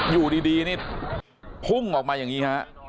อยู่ดีนี่พุ่งออกมาอย่างนี้ฮะ